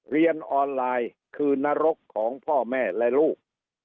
เรียนออนไลน์คือนรกของพ่อแม่และลูก